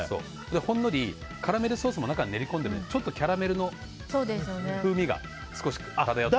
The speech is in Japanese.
ほんのり、カラメルソースも中に練り込んでいるのでちょっとキャラメルの風味が漂っています。